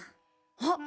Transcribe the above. あっ！